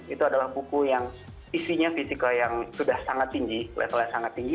itu adalah buku yang isinya fisikal yang sudah sangat tinggi levelnya sangat tinggi